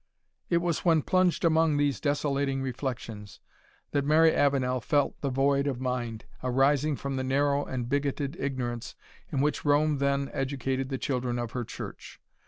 It was when plunged among these desolating reflections, that Mary Avenel felt the void of mind, arising from the narrow and bigoted ignorance in which Rome then educated the children of her church.